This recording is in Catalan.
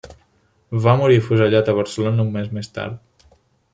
Va morir afusellat a Barcelona un mes més tard.